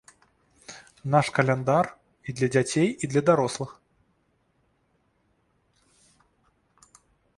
Наш каляндар і для дзяцей, і для дарослых!